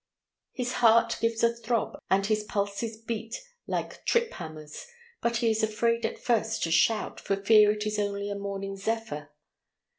His heart gives a throb, and his pulses beat like trip hammers, but he is afraid at first to shout, for fear it is only a morning zephyr.